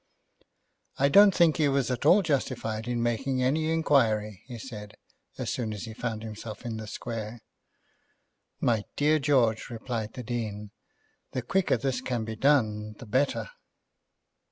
"I don't think he was at all justified in making any inquiry," he said, as soon as he found himself in the Square. "My dear George," replied the Dean, "the quicker this can be done the better."